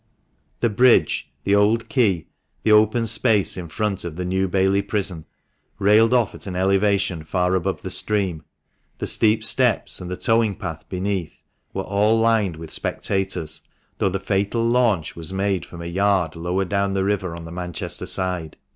The bridge, the Old Quay, the open space in front of the New Bailey Prison — railed off at an elevation far above the stream — the steep steps, and the towing path beneath, were all lined with spectators, though the fatal launch was made from a yard lower down the river on the Manchester side.